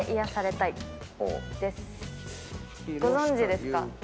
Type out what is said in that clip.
ご存じですか？